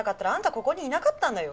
ここにいなかったんだよ！？